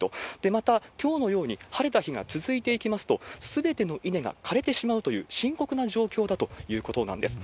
また、きょうのように晴れた日が続いていきますと、すべての稲が枯れてしまうという深刻な状況だということなんです。